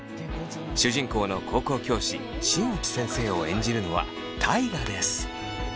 主人公の高校教師新内先生を演じるのは大我です。